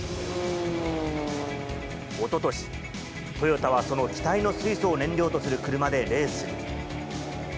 おととし、トヨタはその気体の水素を燃料とする車でレースに。